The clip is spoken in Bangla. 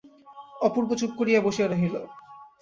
অপূর্ব চুপ করিয়া বসিয়া রহিল।